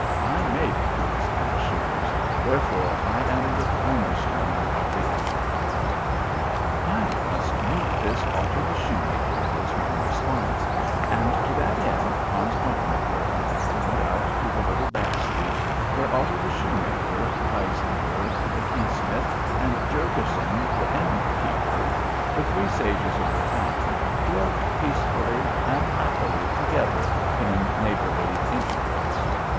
I make boots and shoes, wherefore I am the cornerstone of the empire.'" "I must meet this Otto the Shoemaker," was my response, and to that end Hans Pumpernickel and I went out to the little back street where Otto the Shoemaker, Eisenberg the Keysmith, and Jurgurson the Innkeeper, the three sages of the town, dwelt peacefully and happily together in neighborly intercourse.